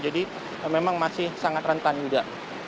jadi memang masih sangat rentan juga